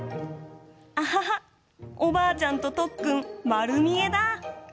あはは、おばあちゃんととっくん、まるみえだ。